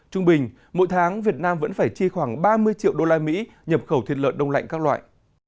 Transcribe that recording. trung bình mỗi tháng việt nam vẫn phải chi khoảng ba mươi triệu đô la mỹ nhập khẩu thịt lợn đông lạnh các loại